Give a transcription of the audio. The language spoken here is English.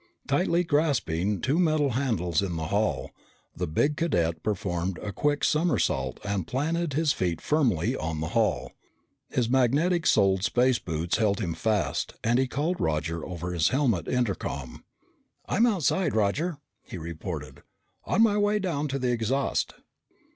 Tightly grasping two metal handles in the hull, the big cadet performed a quick somersault and planted his feet firmly on the hull. His magnetic soled space boots held him fast and he called Roger over his helmet intercom. "I'm outside, Roger," he reported. "On my way down to the exhaust."